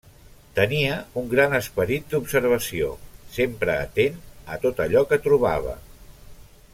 Tenia un gran esperit d’observació, sempre atent a tot allò que trobava.